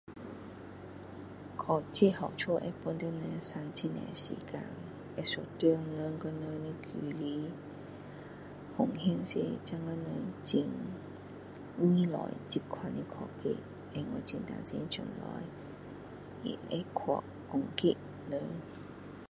科技好處會幫到人省很多時間會縮短人與人的距離尤其是現在人依賴的這種的科技 and 我很擔心將來他會去攻擊人